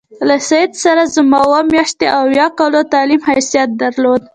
له سید سره زما اووه میاشتې د اویا کالو تعلیم حیثیت درلود.